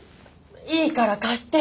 いいから貸して！